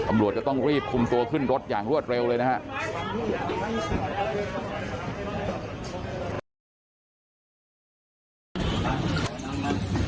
ตำรวจก็ต้องรีบคุมตัวขึ้นรถอย่างรวดเร็วเลยนะครับ